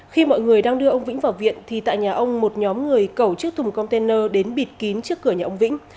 khi mọi người đang đưa ông vĩnh vào viện thì tại nhà ông một nhóm người cẩu chiếc thùng container đến bịt kín trước cửa nhà ông vĩnh